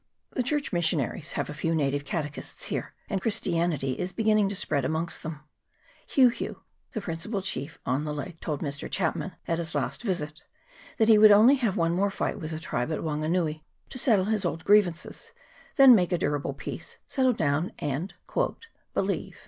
The Church mis sionaries have a few native catechists here, and Christianity is beginning to spread amongst them. Heu Heu, the principal chief on the lake, told Mr. Chapman, at his last visit, that he would only have one more fight with the tribe at Wanganui, to settle his old grievances, then make a durable peace, settle down, and "believe."